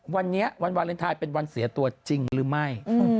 วันนี้วันวาเลนไทยเป็นวันเสียตัวจริงหรือไม่